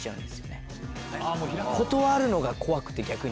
断るのが怖くて逆に。